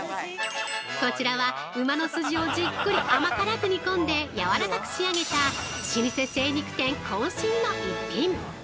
こちらは馬のすじをじっくり甘辛く煮込んで、やわらかく仕上げた、老舗精肉店こん身の一品。